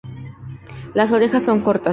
Las orejas son cortas.